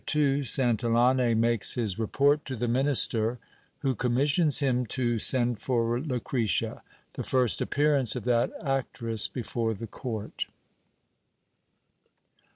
— Santillatte makes his report to the minister, who commissions him to send for Lucretia. The first appearance of that actress before the court.